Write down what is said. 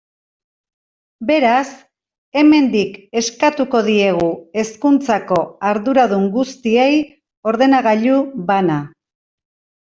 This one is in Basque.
Beraz, hemendik eskatuko diegu hezkuntzako arduradun guztiei ordenagailu bana.